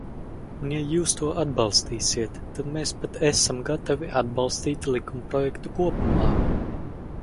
Un, ja jūs to atbalstīsiet, tad mēs pat esam gatavi atbalstīt likumprojektu kopumā.